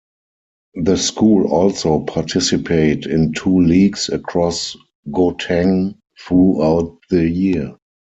The school also participate in two leagues across Gauteng throughout the year.